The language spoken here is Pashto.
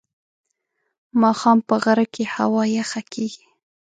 ماښام په غره کې هوا یخه کېږي.